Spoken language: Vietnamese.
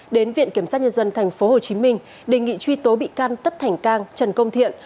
đến viện kiểm sát nhân dân tp hcm đề nghị truy tố bị can tất thành cang trần công thiện